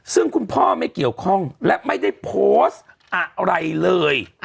ซึ่งคุณพ่อไม่เกี่ยวข้องและไม่ได้โพสต์อะไรเลย